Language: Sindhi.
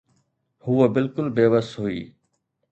هوءَ بلڪل بيوس هئي.